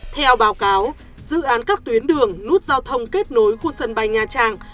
theo báo cáo dự án các tuyến đường nút giao thông kết nối khu sân bay nha trang